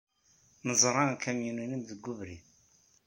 Neẓra akamyun-nnem deg ubrid.